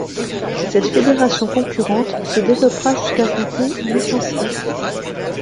Cette fédération concurrente se développera jusqu'à compter licenciés.